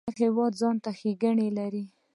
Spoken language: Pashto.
هر هیواد ځانته ښیګڼی لري